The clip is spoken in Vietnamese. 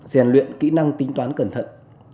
giàn luyện kỹ năng tính toán cẩn thận